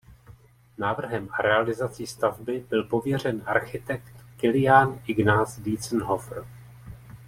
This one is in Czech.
Návrhem a realizací stavby byl pověřen architekt Kilián Ignác Dientzenhofer.